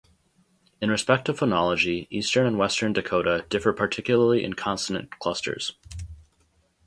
In respect to phonology Eastern and Western Dakota differ particularly in consonant clusters.